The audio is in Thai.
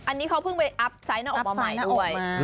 อันนี้เขาเพิ่งไปอัพไซต์หน้าอกมาใหม่ด้วย